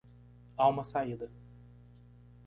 Há uma saída.